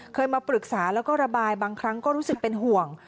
เคยมาปรึกษาแล้วก็ระบายบางครั้งก็รู้สึกเป็นห่วง